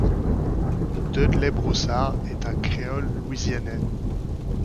Dudley Broussard est un créole louisianais.